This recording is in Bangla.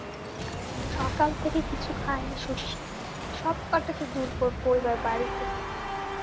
সকাল থেকে কিছু খায় নি শশী, সব কটাকে দূর করব এবার বাড়ি থেকে।